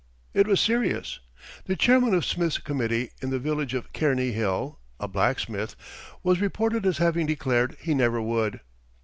It was serious. The Chairman of Smith's Committee in the village of Cairney Hill, a blacksmith, was reported as having declared he never would.